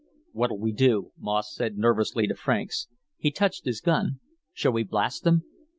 "What'll we do?" Moss said nervously to Franks. He touched his gun. "Shall we blast them?"